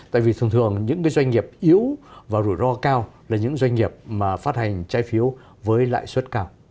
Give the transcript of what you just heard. tại vì thường thường những doanh nghiệp yếu và rủi ro cao là những doanh nghiệp mà phát hành trái phiếu với lãi suất cao